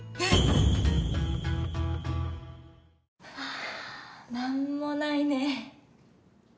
あ何もないね。